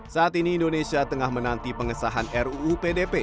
saat ini indonesia tengah menanti pengesahan ruu pdp